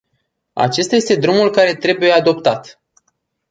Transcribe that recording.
Acesta este drumul care trebuie adoptat.